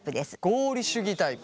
合理主義タイプ。